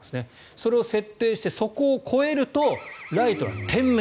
それを設定してそこを越えると、ライトが点滅。